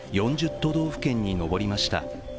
都道府県に上りました。